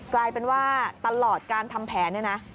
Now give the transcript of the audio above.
กลายเป็นว่าตลอดการทำแผนเนี่ยนะ